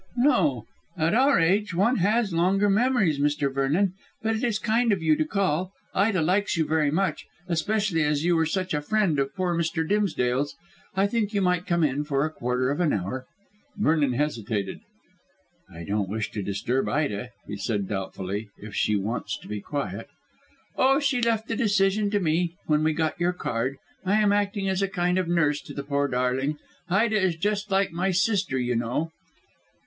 "No. At our age one has longer memories, Mr. Vernon. But it is kind of you to call. Ida likes you very much, especially as you were such a friend of poor Mr. Dimsdale's. I think you might come in for a quarter of an hour." Vernon hesitated. "I don't wish to disturb Ida," he said doubtfully, "if she wants to be quiet." "Oh, she left the decision to me when we got your card. I am acting as a kind of nurse to the poor darling. Ida is just like my sister, you know."